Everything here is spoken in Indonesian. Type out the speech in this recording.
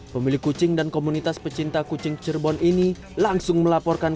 pemilik kucing dan komunitas pecinta kucing cirebon ini langsung melaporkan